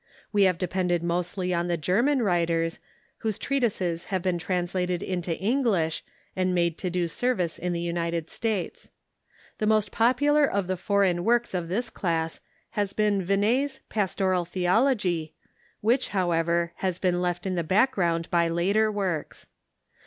We have depended mostly on the German writers, Avhose treatises have been translated into English and made to do service in the United States, The most popular of the foreign Avorks of this class has been Vinet's "Pastoral Theology," which, hoAvever, has been left in the back ground by later works.